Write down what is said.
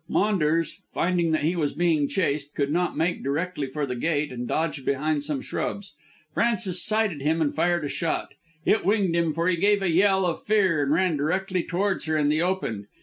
Maunders, finding that he was being chased, could not make directly for the gate and dodged behind some shrubs. Frances sighted him and fired a shot. It winged him, for he gave a yell of fear and ran directly towards her in the open.